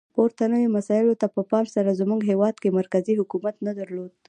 پورتنیو مسایلو ته په پام سره زموږ هیواد کې مرکزي حکومت نه درلود.